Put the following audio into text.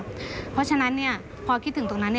เพราะฉะนั้นพอคิดถึงตรงนั้น